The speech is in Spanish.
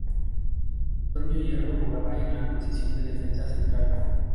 Antonio Hierro jugaba en la posición de defensa central.